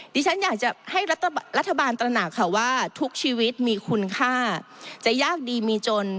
ดิฉันอยากจะให้รัฐบาลตระหนักค่ะว่าทุกชีวิตมีคุณค่าจะยากดีมีจน